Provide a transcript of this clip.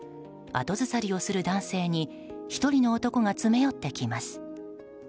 後ずさりをする男性に１人の男が詰め寄ってきます。